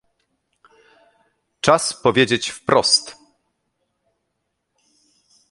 Czas powiedzieć wprost